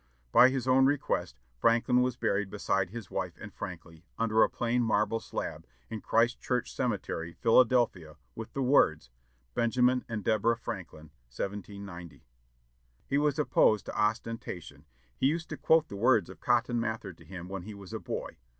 By his own request, Franklin was buried beside his wife and Franky, under a plain marble slab, in Christ Church Cemetery, Philadelphia, with the words, Benjamin } Franklin. and } 1790. Deborah } He was opposed to ostentation. He used to quote the words of Cotton Mather to him when he was a boy.